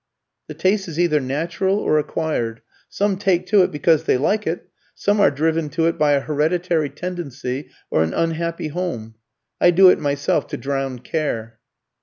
"The taste is either natural or acquired. Some take to it because they like it; some are driven to it by a hereditary tendency or an unhappy home. I do it myself to drown care."